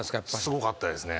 すごかったですね。